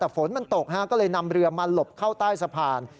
แต่ฝนมันตกก็เลยนำเรือมาหลบเข้าใต้สะพาน